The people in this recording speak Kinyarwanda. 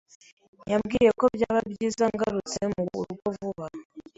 Yambwiye ko byaba byiza ngarutse mu rugo vuba.